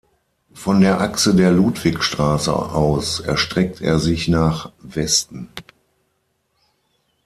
Von der Achse der Ludwigstraße aus erstreckt er sich nach Westen.